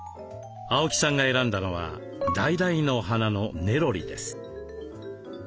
青木さんが選んだのはダイダイの花のネロリです。